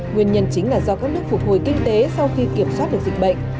nguyên nhân chính là do các nước phục hồi kinh tế sau khi kiểm soát được dịch bệnh